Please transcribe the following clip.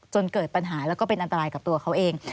จนเกิดปัญหาแล้วก็เป็นอันตรายกับตัวเขาเอง